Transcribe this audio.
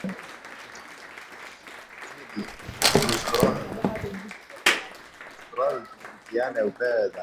Mkoa wa Manyara Sekretarieti za Mikoa zilianzishwa kwa mujibu wa sheria